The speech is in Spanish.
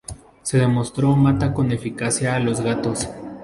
Se demostró mata con eficacia a los gatos.